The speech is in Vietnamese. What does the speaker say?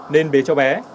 nên bế cho bé